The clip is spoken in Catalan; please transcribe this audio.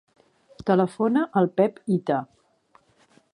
Telefona al Pep Hita.